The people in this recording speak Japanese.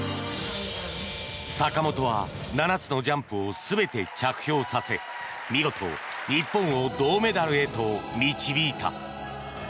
坂本は７つのジャンプを全て着氷させ見事、日本を銅メダルへと導いた。